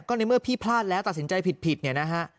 ก็ในเมื่อพี่พลาดแล้วตัดสินใจผิดเนี่ยนะฮะ